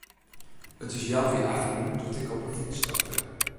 It wie healwei achten doe't ik op 'e fyts stapte.